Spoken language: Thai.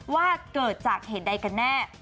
ว่าเกิดจากเหตุใดกันแน่